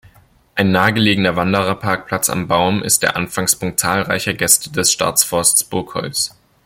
Ein nahegelegener Wanderparkplatz am Baum ist der Anfangspunkt zahlreicher Gäste des Staatsforst Burgholz.